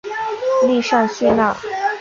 利尚叙纳。